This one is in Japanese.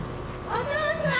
お父さん！